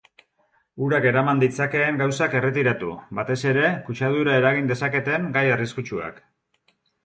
Urak eraman ditzakeen gauzak erretiratu, batez ere kutsadura eragin dezaketen gai arraiskutsuak.